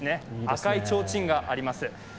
赤いちょうちんがあります。